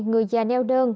người già neo đơn